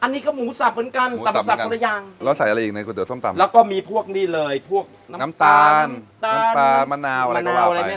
น้ำปลามะนาวอะไรก็ว่าไป